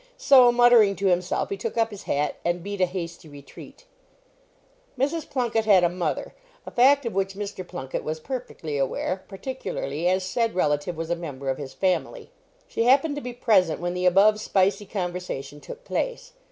So, muttering to himself, he took up his hat and beat a hasty retreat. Mrs. Plunket had a mother, a fact of which Mr. Plunket was perfectly aware, particularly as said relative was a member of his family. She happened to be present when the above spicy conversation took place.